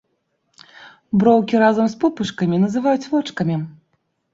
Броўкі разам з пупышкамі называюць вочкамі.